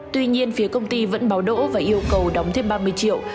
tuy nhiên phía công ty vẫn báo đỗ và yêu cầu đóng thêm ba mươi triệu